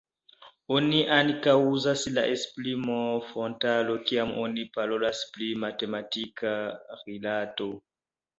Oni ankaŭ uzas la esprimon «fonta aro» kiam oni parolas pri matematika rilato.